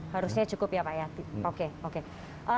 harusnya cukup ya pak ya oke